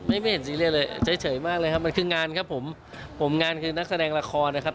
ไม่ไม่เห็นซีเรียสเลยเฉยมากเลยครับมันคืองานครับผมผมงานคือนักแสดงละครนะครับ